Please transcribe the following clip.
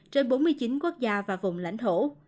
trên bốn mươi chín quốc gia và vùng lãnh thổ